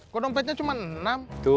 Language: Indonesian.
kok dompetnya cuma enam